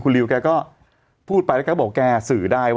ครูริวก็แบบ